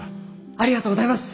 ありがとうございます！